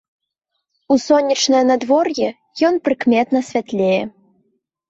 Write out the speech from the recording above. У сонечнае надвор'е ён прыкметна святлее.